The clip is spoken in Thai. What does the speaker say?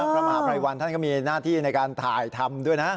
พระมหาภัยวันท่านก็มีหน้าที่ในการถ่ายทำด้วยนะ